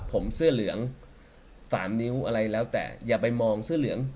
ผมเสื้อเหลืองสามนิ้วอะไรแล้วแต่อย่าไปมองเสื้อเหลือง